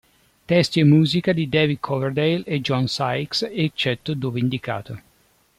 Testi e musiche di David Coverdale e John Sykes, eccetto dove indicato.